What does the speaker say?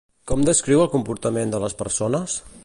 Com descriu el comportament de les persones?